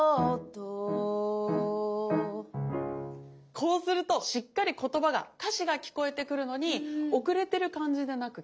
こうするとしっかり言葉が歌詞が聞こえてくるのに遅れてる感じでなく聞こえるんですよね。